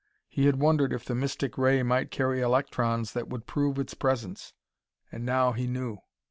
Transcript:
He had wondered if the mystic ray might carry electrons that would prove its presence. And now he knew.